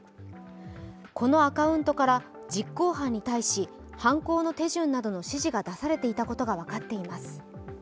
このアカウントから実行犯に対し犯行の手順などの指示が出されていたことが分かっています。